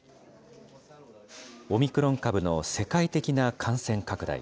オミクロン株の世界的な感染拡大。